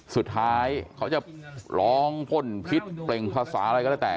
สุดท้ายเขาจะร้องพ่นพิษเปล่งภาษาอะไรก็แล้วแต่